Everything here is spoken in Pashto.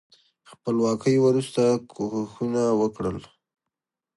خپلواکۍ وروسته کوښښونه وکړل.